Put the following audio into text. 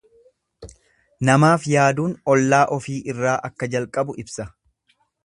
Namaaf yaaduun ollaa ofii irraa akka jalqabu ibsa.